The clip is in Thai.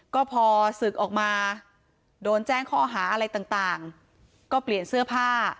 ก็พอศึกออกมาโดนแจ้งข้อหาอะไรต่างก็เปลี่ยนเสื้อผ้า